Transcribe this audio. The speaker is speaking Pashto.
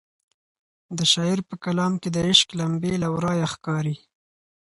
د شاعر په کلام کې د عشق لمبې له ورایه ښکاري.